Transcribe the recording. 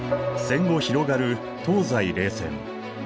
戦後広がる東西冷戦。